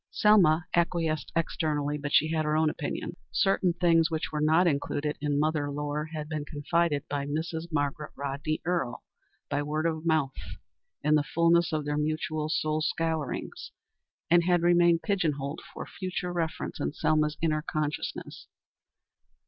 Selma acquiesced externally, but she had her own opinions. Certain things which were not included in "Mother Lore," had been confided by Mrs. Margaret Rodney Earle by word of mouth in the fulness of their mutual soul scourings, and had remained pigeon holed for future reference in Selma's inner consciousness.